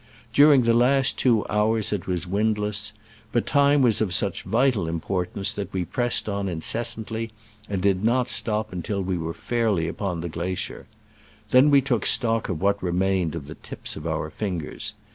During the last two hours it was windless, but time was of such vital importance that we pressed on in cessantly, and did not stop until we were fairly upon the glacier. Then we took stock of what remained of the tips of our fingers.